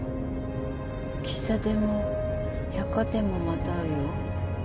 喫茶店も百貨店もまたあるよ。